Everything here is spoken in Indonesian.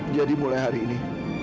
jadi mulai hari ini